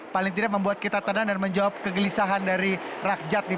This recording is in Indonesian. paling tidak membuat kita tenang dan menjawab kegelisahan dari rakyat